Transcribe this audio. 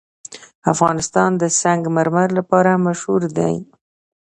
افغانستان د سنگ مرمر لپاره مشهور دی.